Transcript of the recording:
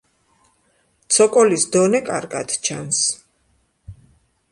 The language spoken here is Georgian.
ცოკოლის დონე კარგად ჩანს.